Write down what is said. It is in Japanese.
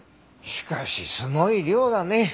しかしすごい量だね。